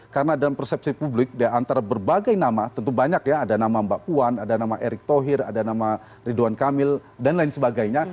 karena dalam persepsi publik di antara berbagai nama tentu banyak ya ada nama mbak puan ada nama erik thohir ada nama ridwan kamil dan lain sebagainya